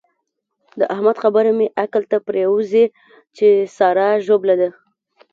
د احمد خبره مې عقل ته پرېوزي چې سارا ژوبله ده.